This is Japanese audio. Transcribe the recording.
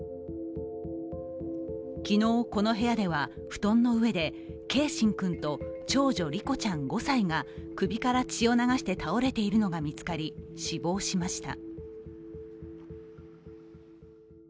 昨日、この部屋では、布団の上で継真君と長女・梨心ちゃん５歳が首から血を流して倒れているのが見つかり、死亡しました。